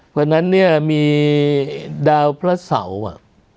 เพราะฉะนั้นเนี่ยมีดาวพระเสาอ่ะ